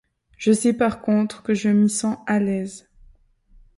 Je sais par contre que je m’y sens à l’aise.